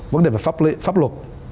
vấn đề về pháp luật